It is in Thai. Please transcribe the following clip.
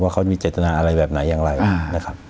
เขามีเจตนาอะไรแบบไหนอย่างไรนะครับ